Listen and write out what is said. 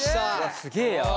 すげえや。